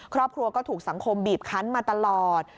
ครอบครัวก็ถูกสังคมบีบคันมาตลอด